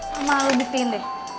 sama lo diperintahin deh